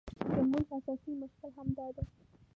زموږ اساسي مشکل همدا دی.